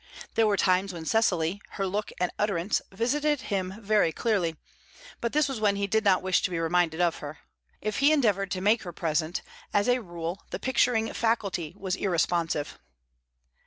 There were times when Cecily, her look and utterance, visited him very clearly; but this was when he did not wish to be reminded of her. If he endeavoured to make her present, as a rule the picturing faculty was irresponsive.